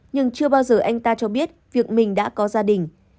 nhưng chưa bao giờ anh ta cho biết việc mình đã có gia đình